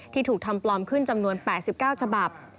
ถูกทำปลอมขึ้นจำนวน๘๙ฉบับ